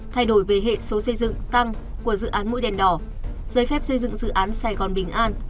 thay đổi về hệ số xây dựng tăng của dự án mũi đèn đỏ giấy phép xây dựng dự án sài gòn bình an